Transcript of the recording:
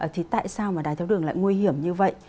thì tại sao mà đài theo đường lại nguy hiểm như vậy